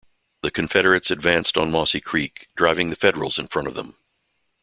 The Confederates advanced on Mossy Creek, driving the Federals in front of them.